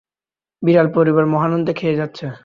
বিড়াল পরিবার মহানন্দে খেয়ে যাচ্ছে।